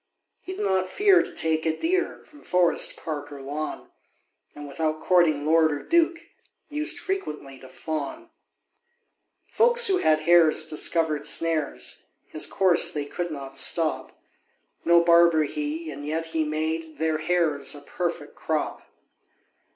He did not fear to take a deer From forest, park, or lawn; And without courting lord or duke, Used frequently to fawn. Folks who had hares discovered snares His course they could not stop: No barber he, and yet he made Their hares a perfect crop.